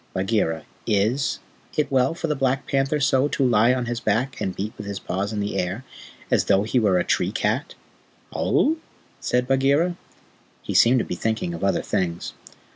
Bagheera, IS it well for the Black Panther so to lie on his back and beat with his paws in the air, as though he were the tree cat?" "Aowh?" said Bagheera. He seemed to be thinking of other things.